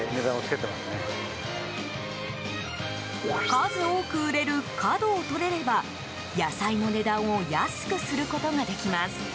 数多く売れる角を取れれば野菜の値段を安くすることができます。